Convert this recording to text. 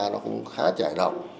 nó cũng khá chắc